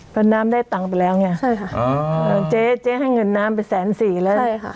เพราะน้ำได้ตังค์ไปแล้วไงใช่ค่ะอ๋อเจ๊เจ๊ให้เงินน้ำไปแสนสี่แล้วใช่ค่ะ